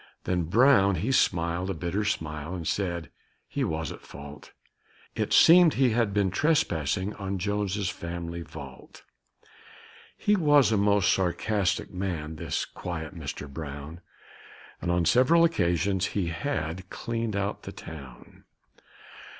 Then Brown he smiled a bitter smile, and said he was at fault; It seemed he had been trespassing on Jones's family vault: He was a most sarcastic man, this quiet Mr. Brown, And on several occasions he had cleaned out the town.